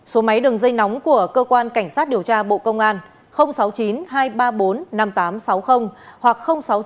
số máy đường dây nóng của cơ quan cảnh sát điều tra bộ công an sáu mươi chín hai trăm ba mươi bốn năm nghìn tám trăm sáu mươi hoặc sáu mươi chín hai trăm ba mươi một một nghìn sáu trăm